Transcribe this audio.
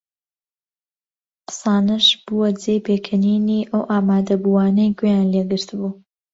قسانەش بووە جێی پێکەنینی ئەو ئامادەبووانەی گوێیان لێ گرتبوو